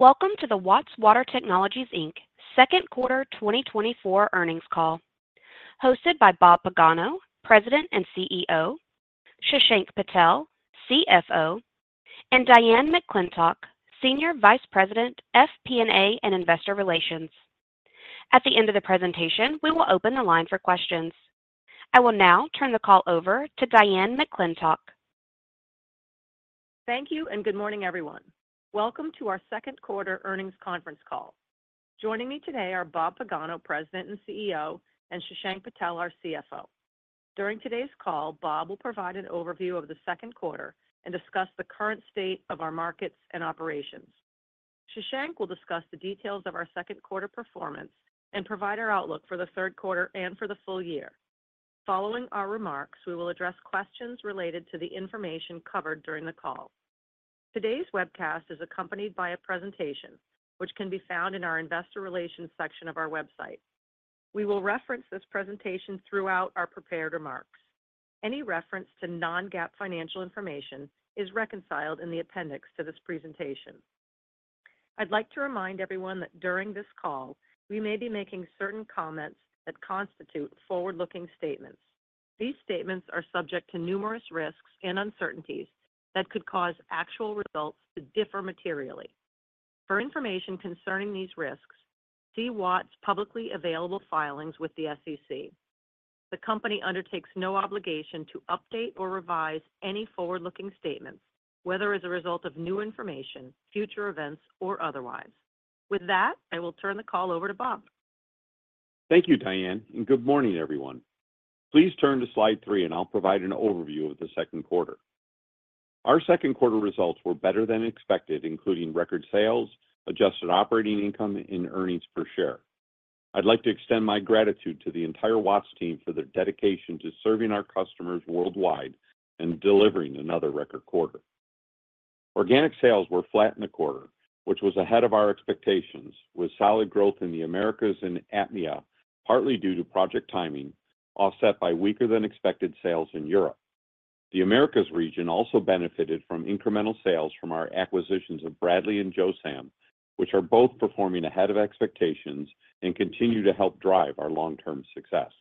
Welcome to the Watts Water Technologies, Inc Second Quarter 2024 Earnings Call, hosted by Bob Pagano, President and CEO, Shashank Patel, CFO, and Diane McClintock, Senior Vice President, FP&A, and Investor Relations. At the end of the presentation, we will open the line for questions. I will now turn the call over to Diane McClintock. Thank you, and good morning, everyone. Welcome to our second quarter earnings conference call. Joining me today are Bob Pagano, President and CEO, and Shashank Patel, our CFO. During today's call, Bob will provide an overview of the second quarter and discuss the current state of our markets and operations. Shashank will discuss the details of our second quarter performance and provide our outlook for the third quarter and for the full year. Following our remarks, we will address questions related to the information covered during the call. Today's webcast is accompanied by a presentation which can be found in our Investor Relations section of our website. We will reference this presentation throughout our prepared remarks. Any reference to non-GAAP financial information is reconciled in the appendix to this presentation. I'd like to remind everyone that during this call, we may be making certain comments that constitute forward-looking statements. These statements are subject to numerous risks and uncertainties that could cause actual results to differ materially. For information concerning these risks, see Watts' publicly available filings with the SEC. The company undertakes no obligation to update or revise any forward-looking statements, whether as a result of new information, future events, or otherwise. With that, I will turn the call over to Bob. Thank you, Diane, and good morning, everyone. Please turn to slide three, and I'll provide an overview of the second quarter. Our second quarter results were better than expected, including record sales, adjusted operating income, and earnings per share. I'd like to extend my gratitude to the entire Watts team for their dedication to serving our customers worldwide and delivering another record quarter. Organic sales were flat in the quarter, which was ahead of our expectations, with solid growth in the Americas and APMEA, partly due to project timing, offset by weaker than expected sales in Europe. The Americas region also benefited from incremental sales from our acquisitions of Bradley and Josam, which are both performing ahead of expectations and continue to help drive our long-term success.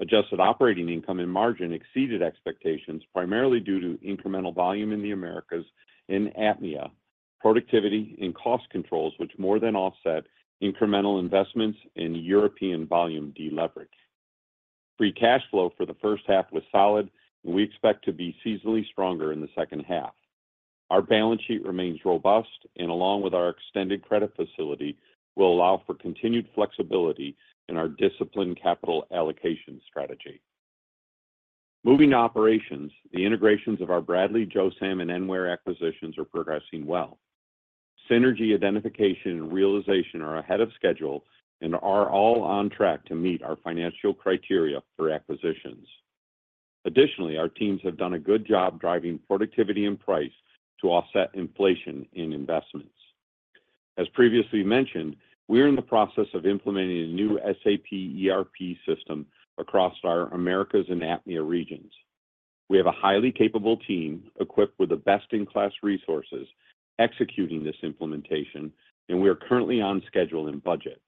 Adjusted operating income and margin exceeded expectations, primarily due to incremental volume in the Americas and APMEA, productivity and cost controls, which more than offset incremental investments in European volume deleverage. Free cash flow for the first half was solid, and we expect to be seasonally stronger in the second half. Our balance sheet remains robust and, along with our extended credit facility, will allow for continued flexibility in our disciplined capital allocation strategy. Moving to operations, the integrations of our Bradley, Josam, and Enware acquisitions are progressing well. Synergy identification and realization are ahead of schedule and are all on track to meet our financial criteria for acquisitions. Additionally, our teams have done a good job driving productivity and price to offset inflation in investments. As previously mentioned, we are in the process of implementing a new SAP ERP system across our Americas and APMEA regions. We have a highly capable team, equipped with the best-in-class resources, executing this implementation, and we are currently on schedule and budget.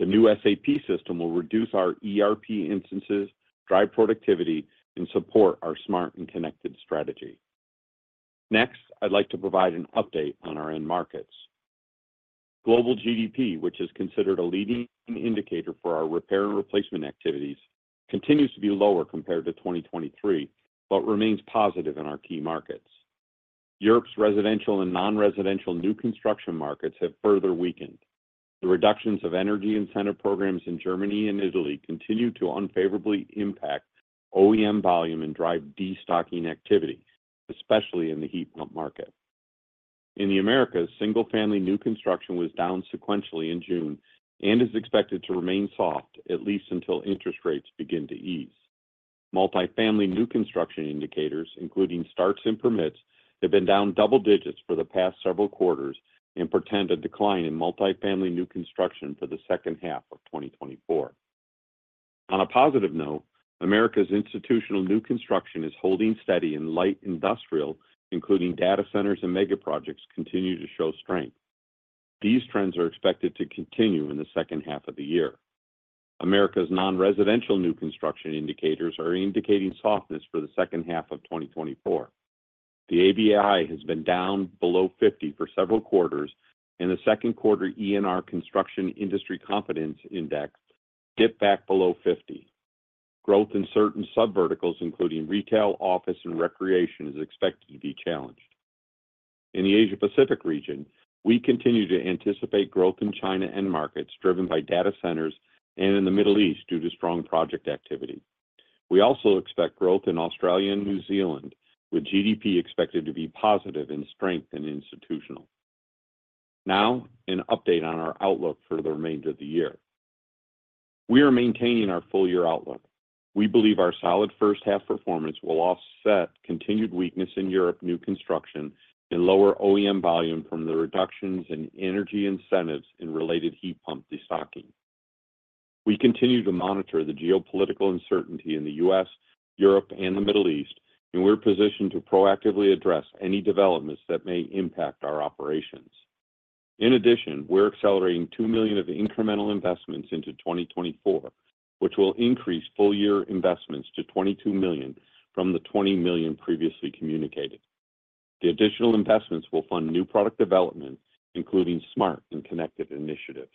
The new SAP system will reduce our ERP instances, drive productivity, and support our smart and connected strategy. Next, I'd like to provide an update on our end markets. Global GDP, which is considered a leading indicator for our repair and replacement activities, continues to be lower compared to 2023, but remains positive in our key markets. Europe's residential and non-residential new construction markets have further weakened. The reductions of energy incentive programs in Germany and Italy continue to unfavorably impact OEM volume and drive destocking activity, especially in the heat pump market. In the Americas, single-family new construction was down sequentially in June and is expected to remain soft, at least until interest rates begin to ease. Multifamily new construction indicators, including starts and permits, have been down double digits for the past several quarters and portend a decline in multifamily new construction for the second half of 2024. On a positive note, Americas' institutional new construction is holding steady in light industrial, including data centers and mega projects, continue to show strength. These trends are expected to continue in the second half of the year. Americas' non-residential new construction indicators are indicating softness for the second half of 2024. The ABI has been down below 50 for several quarters, and the second quarter ENR Construction Industry Confidence Index dipped back below 50. Growth in certain subverticals, including retail, office, and recreation, is expected to be challenged. In the Asia-Pacific region, we continue to anticipate growth in China end markets driven by data centers and in the Middle East due to strong project activity. We also expect growth in Australia and New Zealand, with GDP expected to be positive in strength and institutional. Now, an update on our outlook for the remainder of the year. We are maintaining our full-year outlook. We believe our solid first half performance will offset continued weakness in Europe new construction and lower OEM volume from the reductions in energy incentives and related heat pump destocking. We continue to monitor the geopolitical uncertainty in the U.S., Europe, and the Middle East, and we're positioned to proactively address any developments that may impact our operations. In addition, we're accelerating $2 million of incremental investments into 2024, which will increase full-year investments to $22 million from the $20 million previously communicated. The additional investments will fund new product development, including smart and connected initiatives.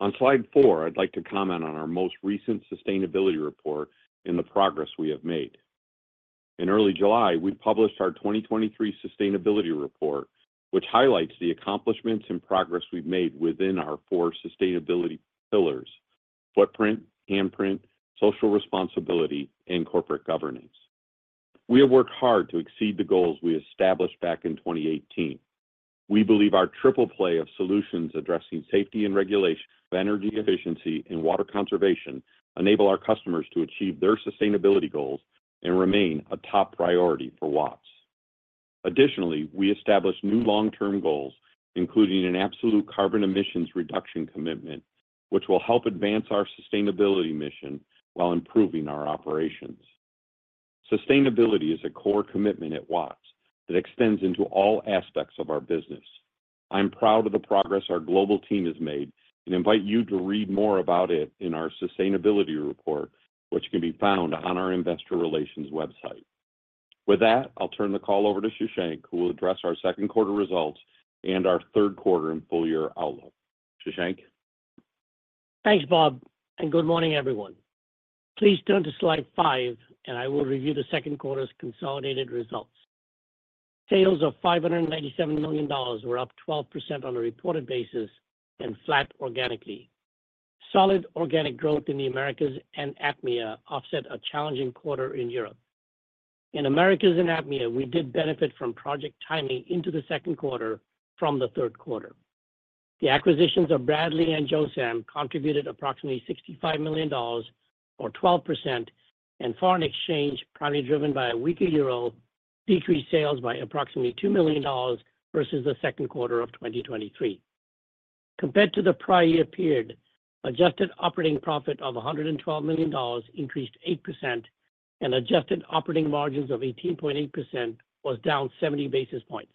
On slide four, I'd like to comment on our most recent sustainability report and the progress we have made. In early July, we published our 2023 sustainability report, which highlights the accomplishments and progress we've made within our four sustainability pillars: footprint, handprint, social responsibility, and corporate governance. We have worked hard to exceed the goals we established back in 2018. We believe our triple play of solutions addressing safety and regulation of energy efficiency and water conservation, enable our customers to achieve their sustainability goals and remain a top priority for Watts. Additionally, we established new long-term goals, including an absolute carbon emissions reduction commitment, which will help advance our sustainability mission while improving our operations. Sustainability is a core commitment at Watts that extends into all aspects of our business. I'm proud of the progress our global team has made and invite you to read more about it in our sustainability report, which can be found on our investor relations website. With that, I'll turn the call over to Shashank, who will address our second quarter results and our third quarter and full-year outlook. Shashank? Thanks, Bob, and good morning, everyone. Please turn to slide five, and I will review the second quarter's consolidated results. Sales of $597 million were up 12% on a reported basis and flat organically. Solid organic growth in the Americas and APMEA offset a challenging quarter in Europe. In Americas and APMEA, we did benefit from project timing into the second quarter from the third quarter. The acquisitions of Bradley and Josam contributed approximately $65 million or 12%, and foreign exchange, primarily driven by a weaker euro, decreased sales by approximately $2 million versus the second quarter of 2023. Compared to the prior year period, adjusted operating profit of $112 million increased 8%, and adjusted operating margins of 18.8% was down 70 basis points.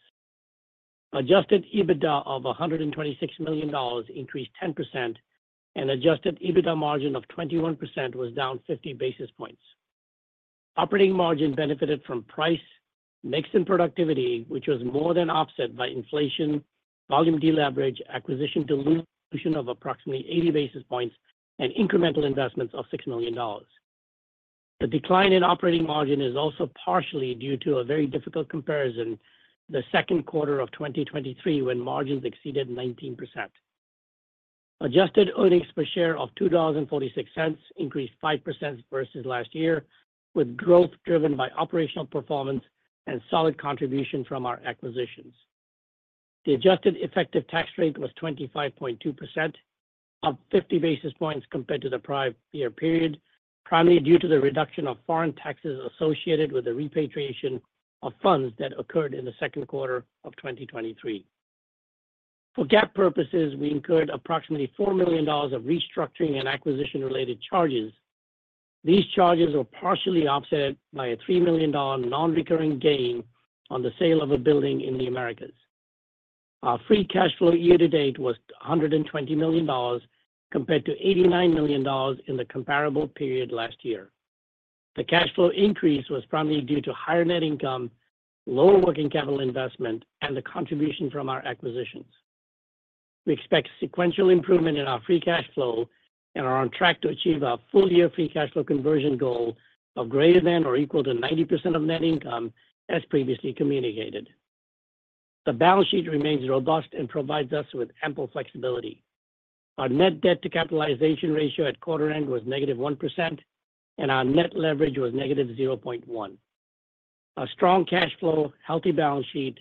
Adjusted EBITDA of $126 million increased 10%, and adjusted EBITDA margin of 21% was down 50 basis points. Operating margin benefited from price, mix, and productivity, which was more than offset by inflation, volume deleverage, acquisition dilution of approximately 80 basis points, and incremental investments of $6 million. The decline in operating margin is also partially due to a very difficult comparison, the second quarter of 2023, when margins exceeded 19%. Adjusted earnings per share of $2.46 increased 5% versus last year, with growth driven by operational performance and solid contribution from our acquisitions. The adjusted effective tax rate was 25.2%, up 50 basis points compared to the prior year period, primarily due to the reduction of foreign taxes associated with the repatriation of funds that occurred in the second quarter of 2023. For GAAP purposes, we incurred approximately $4 million of restructuring and acquisition-related charges. These charges were partially offset by a $3 million non-recurring gain on the sale of a building in the Americas. Our free cash flow year to date was $120 million, compared to $89 million in the comparable period last year. The cash flow increase was primarily due to higher net income, lower working capital investment, and the contribution from our acquisitions. We expect sequential improvement in our free cash flow and are on track to achieve our full-year free cash flow conversion goal of greater than or equal to 90% of net income, as previously communicated. The balance sheet remains robust and provides us with ample flexibility. Our net debt to capitalization ratio at quarter end was -1%, and our net leverage was -0.1%. Our strong cash flow, healthy balance sheet,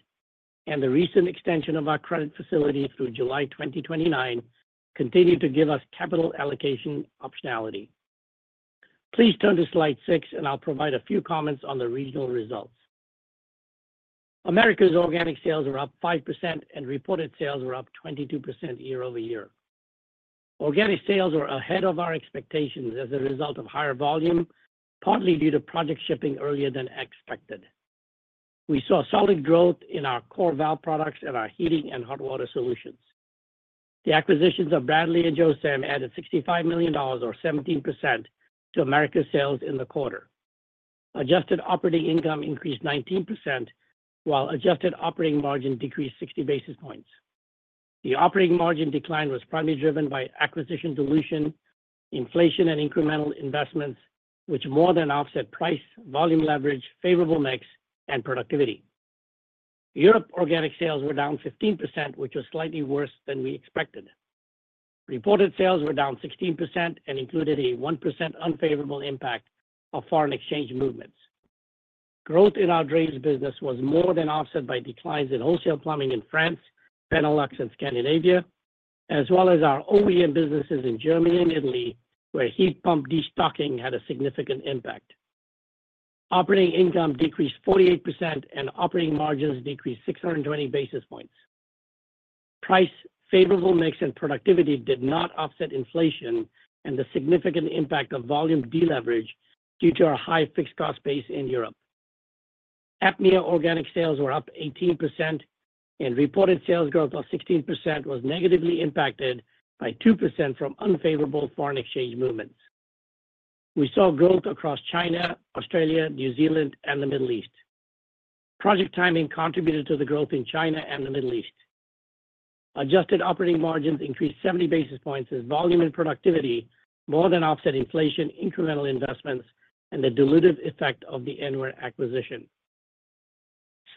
and the recent extension of our credit facility through July 2029 continue to give us capital allocation optionality. Please turn to slide six, and I'll provide a few comments on the regional results. Americas organic sales are up 5%, and reported sales are up 22% year-over-year. Organic sales were ahead of our expectations as a result of higher volume, partly due to project shipping earlier than expected. We saw solid growth in our core valve products and our heating and hot water solutions. The acquisitions of Bradley and Josam added $65 million or 17% to Americas sales in the quarter. Adjusted operating income increased 19%, while adjusted operating margin decreased 60 basis points. The operating margin decline was primarily driven by acquisition dilution, inflation, and incremental investments, which more than offset price, volume leverage, favorable mix, and productivity. Europe organic sales were down 15%, which was slightly worse than we expected. Reported sales were down 16% and included a 1% unfavorable impact of foreign exchange movements. Growth in our drains business was more than offset by declines in wholesale plumbing in France, Benelux and Scandinavia, as well as our OEM businesses in Germany and Italy, where heat pump destocking had a significant impact. Operating income decreased 48%, and operating margins decreased 620 basis points. Price, favorable mix, and productivity did not offset inflation and the significant impact of volume deleverage due to our high fixed cost base in Europe. APMEA organic sales were up 18%, and reported sales growth of 16% was negatively impacted by 2% from unfavorable foreign exchange movements. We saw growth across China, Australia, New Zealand, and the Middle East. Project timing contributed to the growth in China and the Middle East. Adjusted operating margins increased 70 basis points as volume and productivity more than offset inflation, incremental investments, and the dilutive effect of the Enware acquisition.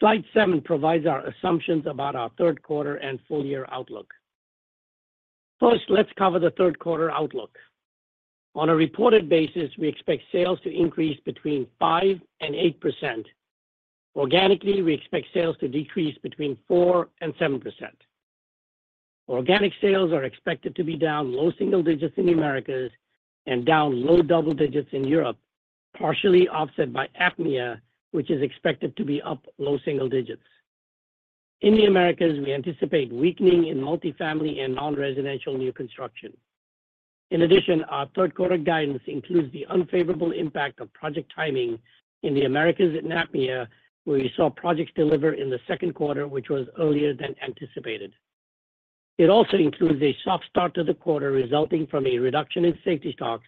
Slide seven provides our assumptions about our third quarter and full year outlook. First, let's cover the third quarter outlook. On a reported basis, we expect sales to increase between 5% and 8%. Organically, we expect sales to decrease between 4% and 7%. Organic sales are expected to be down low single digits in the Americas and down low double digits in Europe, partially offset by APMEA, which is expected to be up low single digits. In the Americas, we anticipate weakening in multifamily and non-residential new construction. In addition, our third quarter guidance includes the unfavorable impact of project timing in the Americas and APMEA, where we saw projects deliver in the second quarter, which was earlier than anticipated. It also includes a soft start to the quarter, resulting from a reduction in safety stocks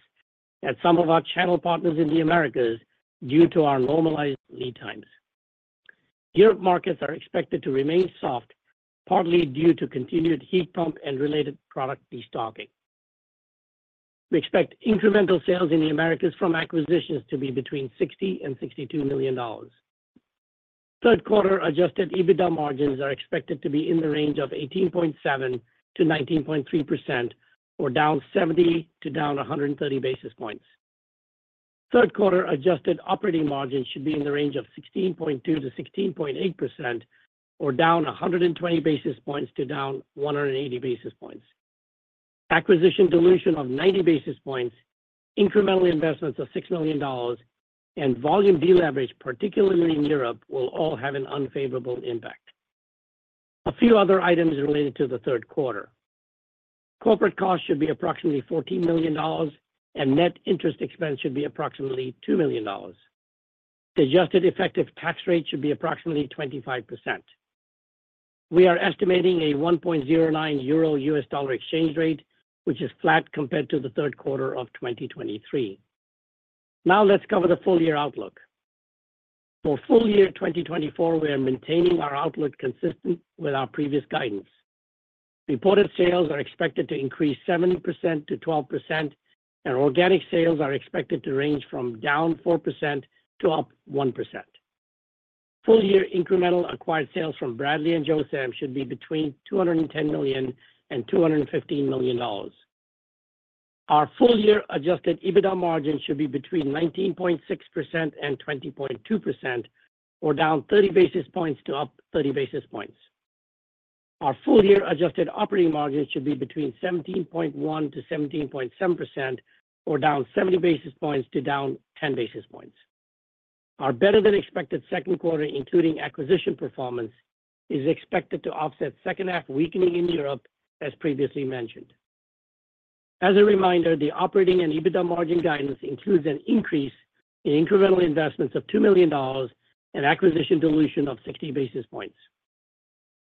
at some of our channel partners in the Americas due to our normalized lead times. European markets are expected to remain soft, partly due to continued heat pump and related product destocking. We expect incremental sales in the Americas from acquisitions to be between $60 million and $62 million. Third quarter adjusted EBITDA margins are expected to be in the range of 18.7%-19.3%, or down 70 to down 130 basis points. Third quarter adjusted operating margins should be in the range of 16.2%-16.8%, or down 120 basis points to down 180 basis points. Acquisition dilution of 90 basis points, incremental investments of $6 million, and volume deleverage, particularly in Europe, will all have an unfavorable impact. A few other items related to the third quarter. Corporate costs should be approximately $14 million, and net interest expense should be approximately $2 million. The adjusted effective tax rate should be approximately 25%. We are estimating a 1.09 EUR/USD exchange rate, which is flat compared to the third quarter of 2023. Now, let's cover the full year outlook. For full year 2024, we are maintaining our outlook consistent with our previous guidance. Reported sales are expected to increase 7%-12%, and organic sales are expected to range from down 4% to up 1%. Full year incremental acquired sales from Bradley and Josam should be between $210 million and $215 million. Our full year adjusted EBITDA margin should be between 19.6% and 20.2%, or down 30 basis points to up 30 basis points. Our full year adjusted operating margin should be between 17.1%-17.7%, or down 70 basis points to down 10 basis points. Our better-than-expected second quarter, including acquisition performance, is expected to offset second half weakening in Europe, as previously mentioned. As a reminder, the operating and EBITDA margin guidance includes an increase in incremental investments of $2 million and acquisition dilution of 60 basis points.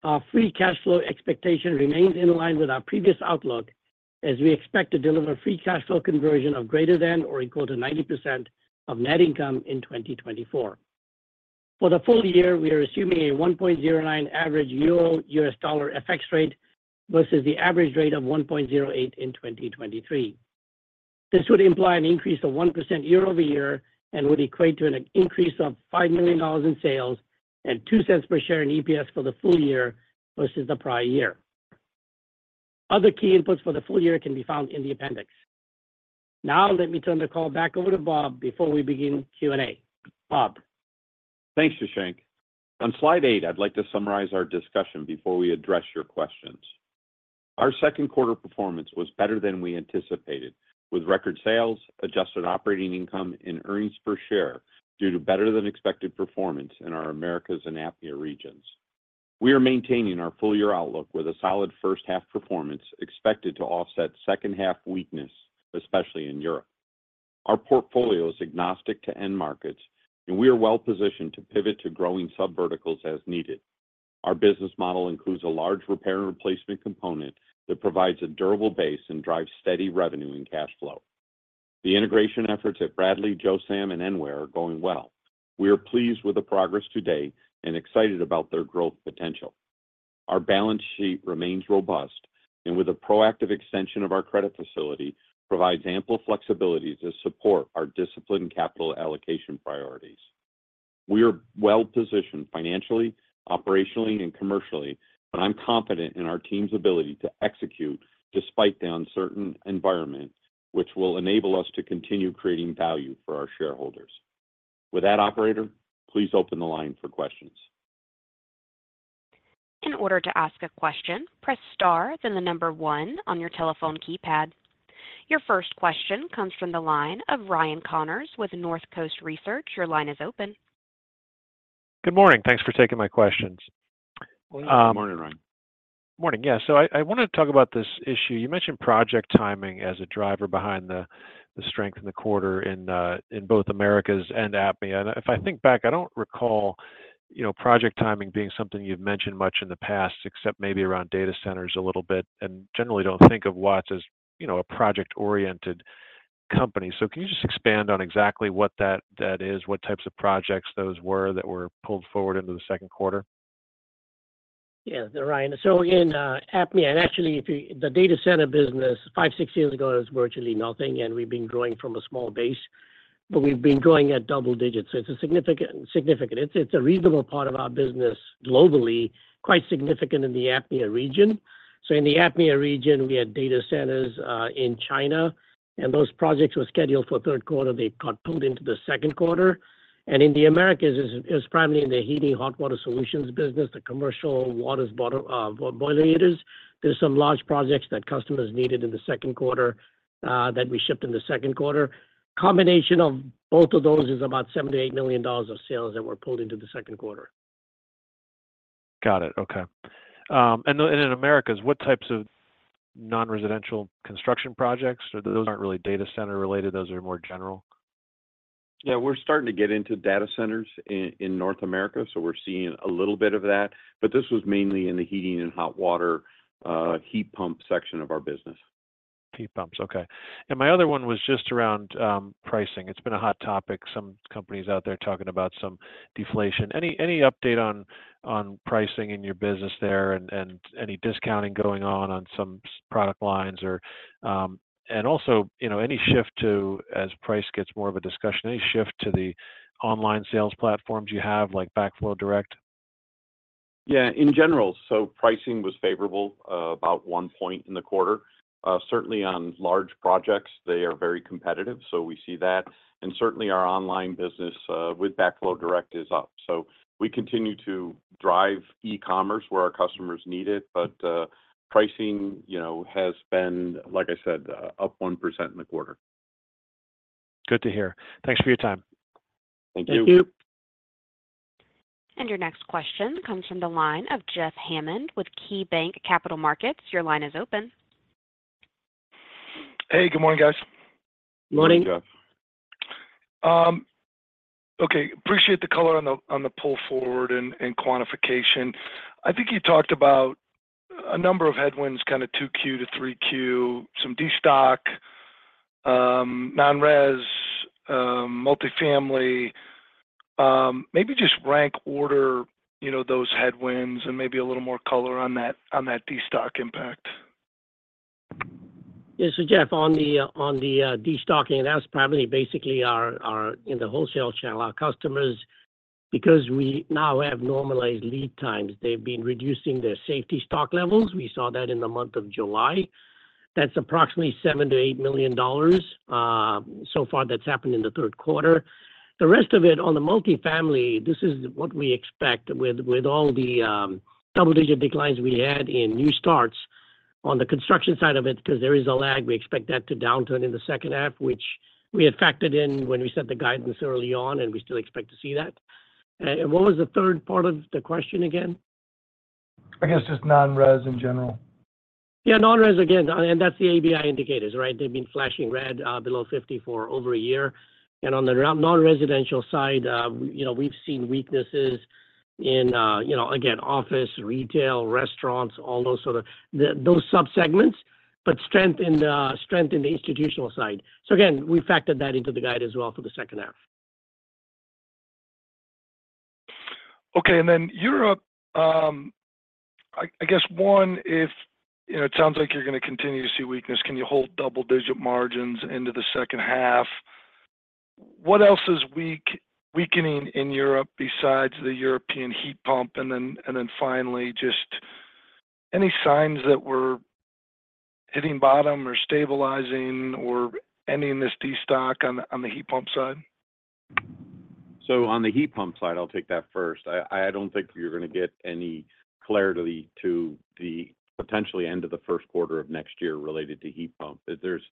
Our free cash flow expectation remains in line with our previous outlook, as we expect to deliver free cash flow conversion of greater than or equal to 90% of net income in 2024. For the full year, we are assuming a 1.09 average euro U.S. dollar FX rate versus the average rate of 1.08 in 2023. This would imply an increase of 1% year-over-year and would equate to an increase of $5 million in sales and $0.02 per share in EPS for the full year versus the prior year. Other key inputs for the full year can be found in the appendix. Now, let me turn the call back over to Bob before we begin Q&A. Bob? Thanks, Shashank. On slide eight, I'd like to summarize our discussion before we address your questions. Our second quarter performance was better than we anticipated, with record sales, adjusted operating income, and earnings per share due to better-than-expected performance in our Americas and APMEA regions. We are maintaining our full-year outlook with a solid first half performance expected to offset second half weakness, especially in Europe. Our portfolio is agnostic to end markets, and we are well-positioned to pivot to growing subverticals as needed. Our business model includes a large repair and replacement component that provides a durable base and drives steady revenue and cash flow. The integration efforts at Bradley, Josam, and Enware are going well. We are pleased with the progress today and excited about their growth potential. Our balance sheet remains robust and, with the proactive extension of our credit facility, provides ample flexibility to support our disciplined capital allocation priorities. We are well positioned financially, operationally, and commercially, and I'm confident in our team's ability to execute despite the uncertain environment, which will enable us to continue creating value for our shareholders. With that, operator, please open the line for questions. In order to ask a question, press star, then the number one on your telephone keypad. Your first question comes from the line of Ryan Connors with Northcoast Research. Your line is open. Good morning. Thanks for taking my questions. Good morning, Ryan. Morning. Yeah, so I wanted to talk about this issue. You mentioned project timing as a driver behind the strength in the quarter in both Americas and APMEA. And if I think back, I don't recall, you know, project timing being something you've mentioned much in the past, except maybe around data centers a little bit, and generally don't think of Watts as, you know, a project-oriented company. So can you just expand on exactly what that is, what types of projects those were that were pulled forward into the second quarter? Yeah, Ryan. So in APMEA, and actually, if you—the data center business, five, six years ago, it was virtually nothing, and we've been growing from a small base, but we've been growing at double digits, so it's a significant, significant... It's a reasonable part of our business globally, quite significant in the APMEA region. So in the APMEA region, we had data centers in China, and those projects were scheduled for third quarter. They got pulled into the second quarter. And in the Americas, it was primarily in the heating hot water solutions business, the commercial water-tube boiler units. There's some large projects that customers needed in the second quarter that we shipped in the second quarter. Combination of both of those is about $78 million of sales that were pulled into the second quarter. Got it. Okay. And in Americas, what types of non-residential construction projects? Those aren't really data center related, those are more general. Yeah, we're starting to get into data centers in North America, so we're seeing a little bit of that. But this was mainly in the heating and hot water, heat pump section of our business. Heat pumps, okay. And my other one was just around pricing. It's been a hot topic. Some companies out there talking about some deflation. Any update on pricing in your business there and any discounting going on some product lines or... And also, you know, any shift to, as price gets more of a discussion, any shift to the online sales platforms you have, like Backflow Direct? Yeah. In general, so pricing was favorable, about 1 point in the quarter. Certainly on large projects, they are very competitive, so we see that. And certainly our online business, with Backflow Direct is up. So we continue to drive e-commerce where our customers need it, but, pricing, you know, has been, like I said, up 1% in the quarter. Good to hear. Thanks for your time. Thank you. Thank you. Your next question comes from the line of Jeff Hammond with KeyBanc Capital Markets. Your line is open. Hey, good morning, guys. Morning. Good morning, Jeff. Okay, appreciate the color on the, on the pull forward and, and quantification. I think you talked about a number of headwinds, kind of two Q to three Q, some destock, non-res, multifamily. Maybe just rank order, you know, those headwinds and maybe a little more color on that, on that destock impact. Yeah. So, Jeff, on the destocking, and that's probably basically our in the wholesale channel, our customers, because we now have normalized lead times, they've been reducing their safety stock levels. We saw that in the month of July. That's approximately $7 million-$8 million, so far that's happened in the third quarter. The rest of it, on the multifamily, this is what we expect with all the double-digit declines we had in new starts. On the construction side of it, because there is a lag, we expect that to downturn in the second half, which we had factored in when we set the guidance early on, and we still expect to see that. And what was the third part of the question again? I guess just non-res in general. Yeah, non-res again, and that's the ABI indicators, right? They've been flashing red below 50 for over a year. And on the non-residential side, you know, we've seen weaknesses in, you know, again, office, retail, restaurants, all those sort of those subsegments, but strength in the strength in the institutional side. So again, we factored that into the guide as well for the second half. Okay, and then Europe, I guess, if... You know, it sounds like you're going to continue to see weakness. Can you hold double-digit margins into the second half? What else is weakening in Europe besides the European heat pump? And then finally, just any signs that we're hitting bottom or stabilizing or ending this destock on the heat pump side? So on the heat pump side, I'll take that first. I don't think you're going to get any clarity to the potentially end of the first quarter of next year related to heat pump. There's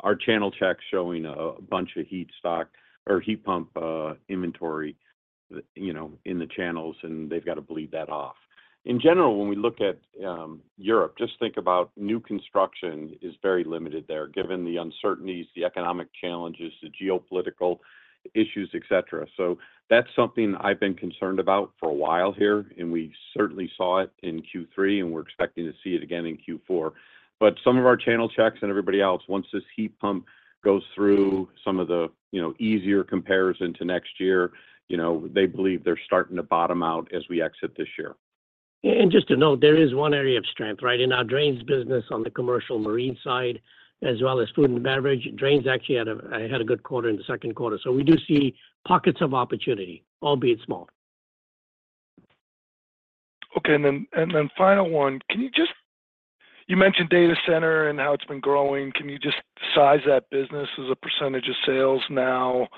our channel checks showing a bunch of heat stock or heat pump inventory, you know, in the channels, and they've got to bleed that off. In general, when we look at Europe, just think about new construction is very limited there, given the uncertainties, the economic challenges, the geopolitical issues, et cetera. So that's something I've been concerned about for a while here, and we certainly saw it in Q3, and we're expecting to see it again in Q4. But some of our channel checks and everybody else, once this heat pump goes through some of the, you know, easier comparison to next year, you know, they believe they're starting to bottom out as we exit this year. Just to note, there is one area of strength, right? In our drains business on the commercial marine side, as well as food and beverage. Drains actually had a good quarter in the second quarter, so we do see pockets of opportunity, albeit small. Okay, and then, and then final one, can you just-... You mentioned data center and how it's been growing. Can you just size that business as a percentage of sales now?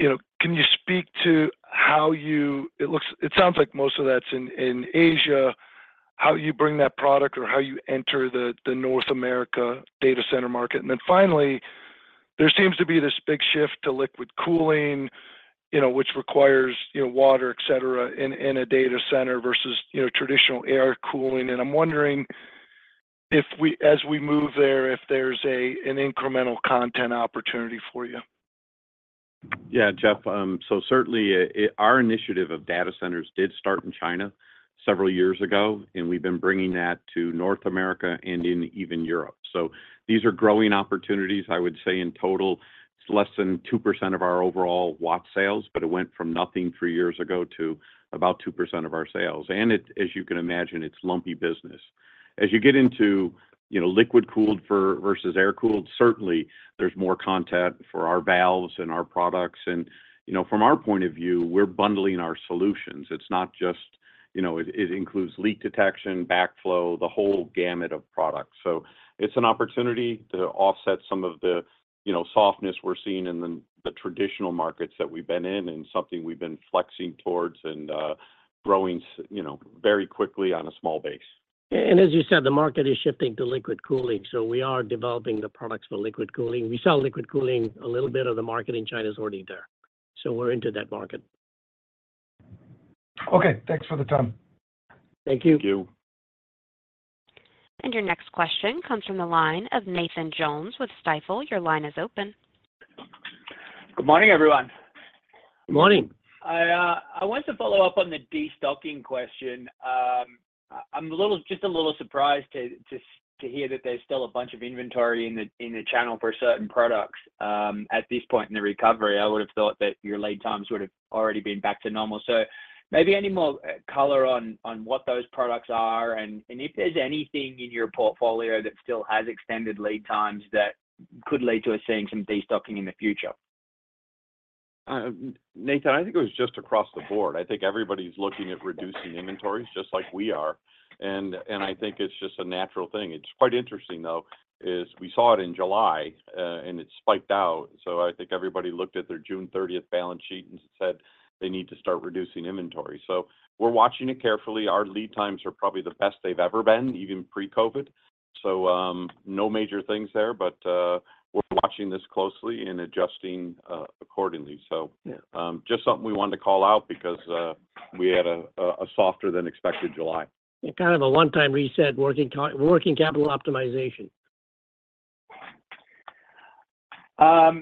You know, can you speak to how you—it looks, it sounds like most of that's in Asia, how you bring that product or how you enter the North America data center market? And then finally, there seems to be this big shift to liquid cooling, you know, which requires water, et cetera, in a data center versus traditional air cooling. And I'm wondering if we—as we move there, if there's an incremental content opportunity for you. Yeah, Jeff, so certainly, our initiative of data centers did start in China several years ago, and we've been bringing that to North America and in even Europe. So these are growing opportunities. I would say in total, it's less than 2% of our overall Watts sales, but it went from nothing three years ago to about 2% of our sales. And it, as you can imagine, it's lumpy business. As you get into, you know, liquid-cooled versus air-cooled, certainly there's more content for our valves and our products. And, you know, from our point of view, we're bundling our solutions. It's not just, you know, it, it includes leak detection, backflow, the whole gamut of products. So it's an opportunity to offset some of the, you know, softness we're seeing in the traditional markets that we've been in and something we've been flexing towards and growing, you know, very quickly on a small base. As you said, the market is shifting to liquid cooling, so we are developing the products for liquid cooling. We sell liquid cooling. A little bit of the market in China is already there, so we're into that market. Okay, thanks for the time. Thank you. Thank you. Your next question comes from the line of Nathan Jones with Stifel. Your line is open. Good morning, everyone. Good morning. I want to follow up on the destocking question. I'm a little just a little surprised to hear that there's still a bunch of inventory in the channel for certain products at this point in the recovery. I would have thought that your lead times would have already been back to normal. So maybe any more color on what those products are, and if there's anything in your portfolio that still has extended lead times that could lead to us seeing some destocking in the future? Nathan, I think it was just across the board. I think everybody's looking at reducing inventories just like we are, and I think it's just a natural thing. It's quite interesting, though, is we saw it in July, and it spiked out. So I think everybody looked at their June 30th balance sheet and said they need to start reducing inventory. So we're watching it carefully. Our lead times are probably the best they've ever been, even pre-COVID. So, no major things there, but, we're watching this closely and adjusting, accordingly. So- Yeah... just something we wanted to call out because we had a softer than expected July. Kind of a one-time reset, working capital optimization. Follow-up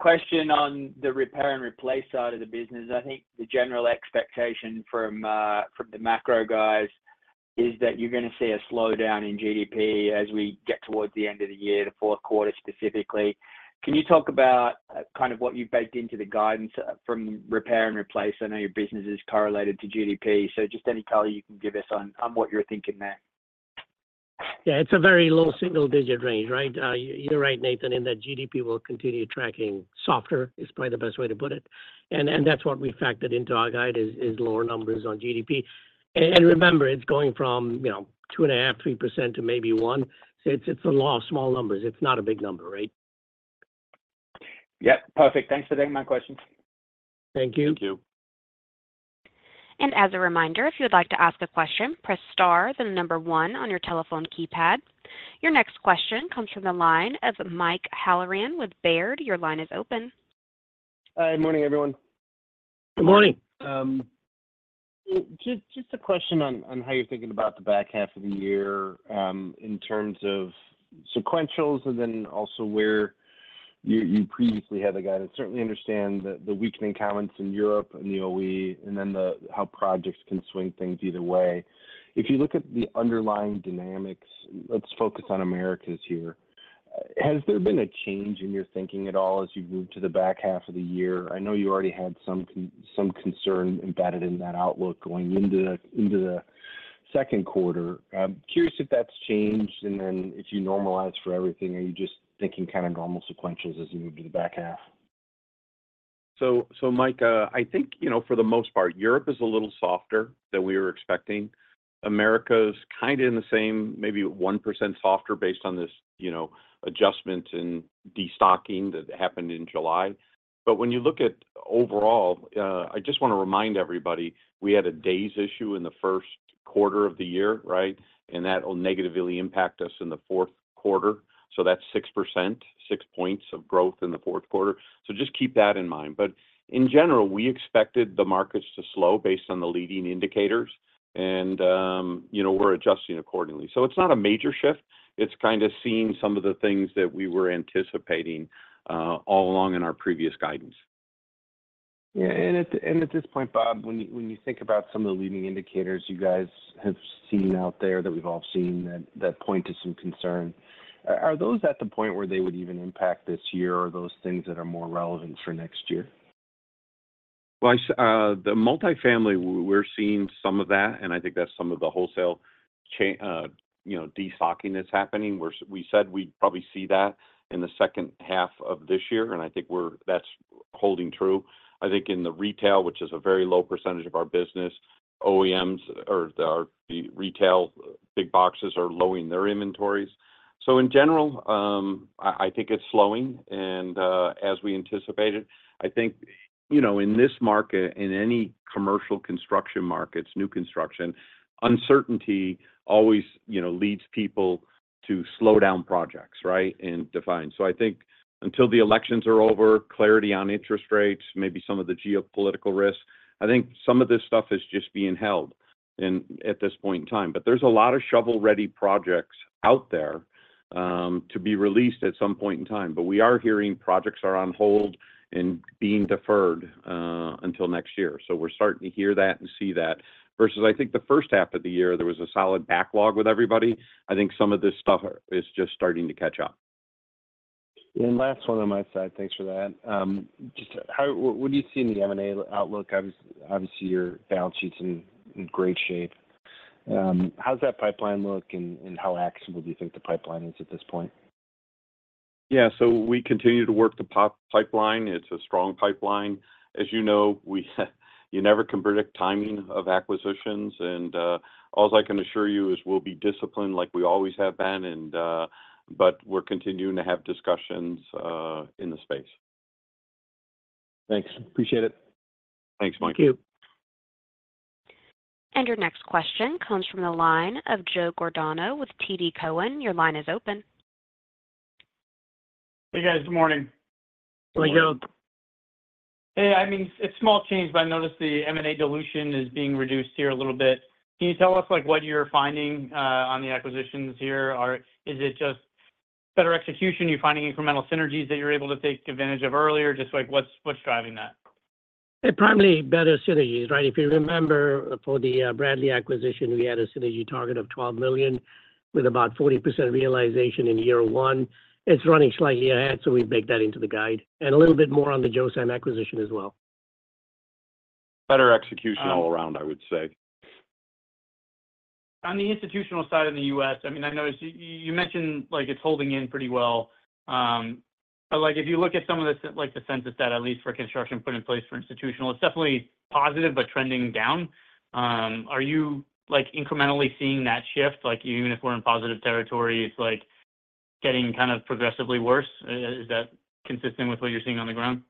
question on the repair and replace side of the business. I think the general expectation from from the macro guys is that you're gonna see a slowdown in GDP as we get towards the end of the year, the fourth quarter, specifically. Can you talk about kind of what you've baked into the guidance from repair and replace? I know your business is correlated to GDP, so just any color you can give us on what you're thinking there. Yeah, it's a very low single-digit range, right? You're right, Nathan, in that GDP will continue tracking softer, is probably the best way to put it. And that's what we factored into our guide, is lower numbers on GDP. And remember, it's going from, you know, 2.5%-3% to maybe 1%. It's a law of small numbers. It's not a big number, right? Yep, perfect. Thanks for taking my questions. Thank you. Thank you. As a reminder, if you would like to ask a question, press star, then the number one on your telephone keypad. Your next question comes from the line of Mike Halloran with Baird. Your line is open. Hi, morning, everyone. Good morning. Just a question on how you're thinking about the back half of the year, in terms of sequentials and then also where you previously had a guide. I certainly understand the weakening currents in Europe and the OE, and then the how projects can swing things either way. If you look at the underlying dynamics, let's focus on Americas here. Has there been a change in your thinking at all as you've moved to the back half of the year? I know you already had some concern embedded in that outlook going into the second quarter. I'm curious if that's changed, and then if you normalize for everything, are you just thinking kind of normal sequentials as you move to the back half? So, Mike, I think, you know, for the most part, Europe is a little softer than we were expecting. America is kind of in the same, maybe 1% softer based on this, you know, adjustment in destocking that happened in July. But when you look at overall, I just want to remind everybody, we had a days issue in the first quarter of the year, right? And that will negatively impact us in the fourth quarter. So that's 6%, six points of growth in the fourth quarter. So just keep that in mind. But in general, we expected the markets to slow based on the leading indicators, and, you know, we're adjusting accordingly. So it's not a major shift. It's kind of seeing some of the things that we were anticipating, all along in our previous guidance. Yeah, and at this point, Bob, when you think about some of the leading indicators you guys have seen out there, that we've all seen, that point to some concern, are those at the point where they would even impact this year, or are those things that are more relevant for next year? Well, the multifamily, we're seeing some of that, and I think that's some of the wholesale channel, you know, destocking that's happening, where we said we'd probably see that in the second half of this year, and I think that's holding true. I think in the retail, which is a very low percentage of our business, OEMs or our, the retail big boxes are lowering their inventories. So in general, I think it's slowing, and as we anticipated, I think, you know, in this market, in any commercial construction markets, new construction, uncertainty always, you know, leads people to slow down projects, right? And define. So I think until the elections are over, clarity on interest rates, maybe some of the geopolitical risks, I think some of this stuff is just being held in at this point in time. There's a lot of shovel-ready projects out there, to be released at some point in time. We are hearing projects are on hold and being deferred until next year. We're starting to hear that and see that, versus I think the first half of the year, there was a solid backlog with everybody. I think some of this stuff is just starting to catch up. Last one on my side. Thanks for that. Just what do you see in the M&A outlook? Obviously, your balance sheet's in great shape. How does that pipeline look, and how actionable do you think the pipeline is at this point? Yeah, so we continue to work the pipeline. It's a strong pipeline. As you know, you never can predict timing of acquisitions, and all I can assure you is we'll be disciplined like we always have been. But we're continuing to have discussions in the space. Thanks. Appreciate it. Thanks, Mike. Thank you. Your next question comes from the line of Joe Giordano with TD Cowen. Your line is open. Hey, guys. Good morning. Hey, Joe. Hey, I mean, it's small change, but I noticed the M&A dilution is being reduced here a little bit. Can you tell us, like, what you're finding on the acquisitions here? Or is it just better execution? You're finding incremental synergies that you're able to take advantage of earlier? Just like, what's driving that? Hey, primarily better synergies, right? If you remember, for the Bradley acquisition, we had a synergy target of $12 million, with about 40% realization in year one. It's running slightly ahead, so we baked that into the guide, and a little bit more on the Josam acquisition as well. Better execution all around, I would say. On the institutional side in the U.S., I mean, I noticed you, you mentioned like it's holding in pretty well. But like, if you look at some of the, like, the Census data, at least for construction put in place for institutional, it's definitely positive but trending down. Are you, like, incrementally seeing that shift? Like, even if we're in positive territory, it's like getting kind of progressively worse. Is that consistent with what you're seeing on the ground?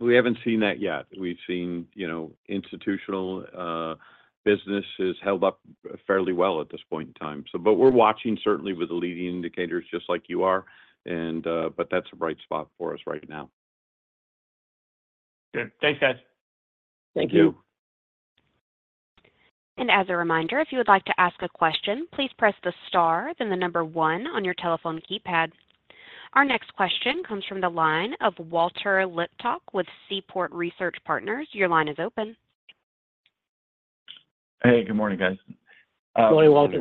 We haven't seen that yet. We've seen, you know, institutional, businesses held up fairly well at this point in time. So, but we're watching, certainly with the leading indicators, just like you are, and, but that's a bright spot for us right now. Good. Thanks, guys. Thank you. Thank you. And as a reminder, if you would like to ask a question, please press star then one on your telephone keypad. Our next question comes from the line of Walter Liptak with Seaport Research Partners. Your line is open. Hey, good morning, guys. Good morning, Walter.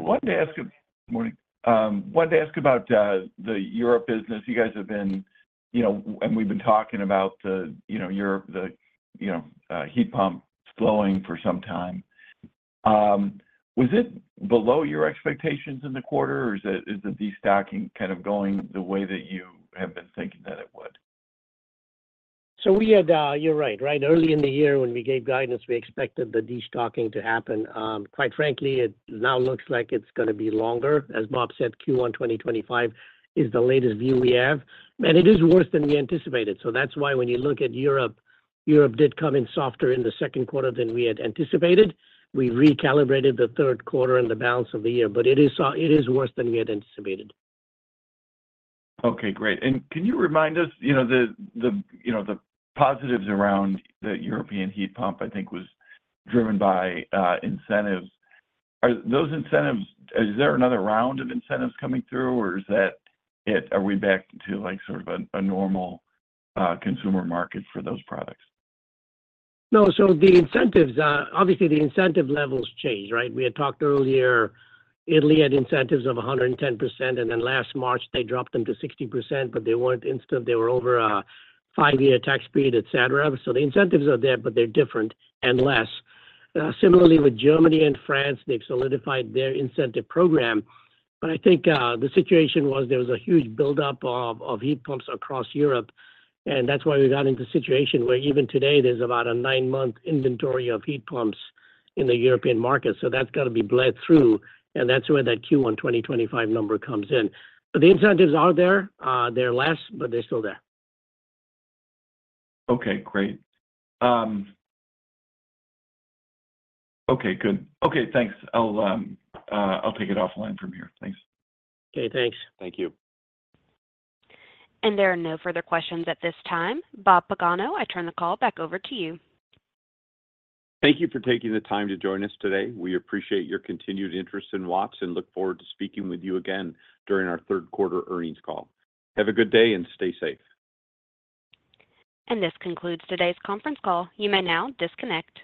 Good morning. Wanted to ask about the Europe business. You guys have been, you know, and we've been talking about the, you know, Europe, the, you know, heat pump slowing for some time. Was it below your expectations in the quarter, or is it, is the destocking kind of going the way that you have been thinking that it would? So we had. You're right, right? Early in the year, when we gave guidance, we expected the destocking to happen. Quite frankly, it now looks like it's gonna be longer. As Bob said, Q1 2025 is the latest view we have, and it is worse than we anticipated. So that's why when you look at Europe, Europe did come in softer in the second quarter than we had anticipated. We recalibrated the third quarter and the balance of the year, but it is worse than we had anticipated. Okay, great. And can you remind us, you know, the positives around the European heat pump, I think, was driven by incentives. Are those incentives-- is there another round of incentives coming through, or is that it? Are we back to, like, sort of a normal consumer market for those products? No, so the incentives, obviously, the incentive levels change, right? We had talked earlier, Italy had incentives of 110%, and then last March, they dropped them to 60%, but they weren't instant. They were over a five-year tax period, et cetera. So the incentives are there, but they're different and less. Similarly, with Germany and France, they've solidified their incentive program. But I think, the situation was there was a huge buildup of heat pumps across Europe, and that's why we got into a situation where even today, there's about a nine-month inventory of heat pumps in the European market. So that's got to be bled through, and that's where that Q1 2025 number comes in. But the incentives are there. They're less, but they're still there. Okay, great. Okay, good. Okay, thanks. I'll take it offline from here. Thanks. Okay, thanks. Thank you. There are no further questions at this time. Bob Pagano, I turn the call back over to you. Thank you for taking the time to join us today. We appreciate your continued interest in Watts and look forward to speaking with you again during our third quarter earnings call. Have a good day and stay safe. This concludes today's conference call. You may now disconnect.